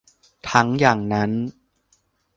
ทั้งอย่างนั้น